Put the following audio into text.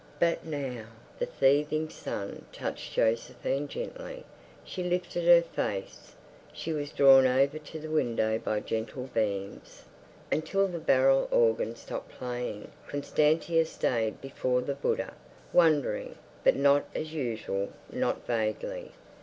But now? The thieving sun touched Josephine gently. She lifted her face. She was drawn over to the window by gentle beams.... Until the barrel organ stopped playing Constantia stayed before the Buddha, wondering, but not as usual, not vaguely.